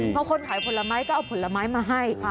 พอคนขายผลไม้ก็เอาผลไม้มาให้